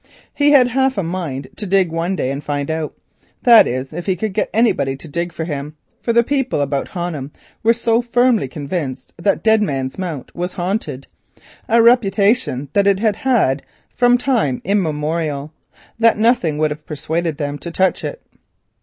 He had half a mind to dig one day and find out, that is if he could get anybody to dig with him, for the people about Honham were so firmly convinced that Dead Man's Mount was haunted, a reputation which it had owned from time immemorial, that nothing would have persuaded them to touch it.